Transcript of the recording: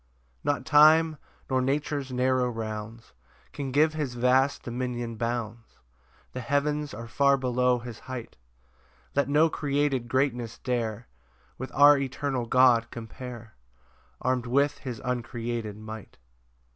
2 Not time, nor nature's narrow rounds, Can give his vast dominion bounds, The heavens are far below his height: Let no created greatness dare With our eternal God compare, Arm'd with his uncreated might.